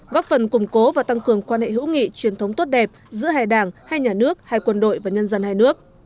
góp phần củng cố và tăng cường quan hệ hữu nghị truyền thống tốt đẹp giữa hai đảng hai nhà nước hai quân đội và nhân dân hai nước